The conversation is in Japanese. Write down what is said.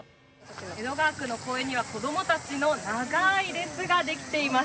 江戸川区の公園には子供たちの長い列ができています。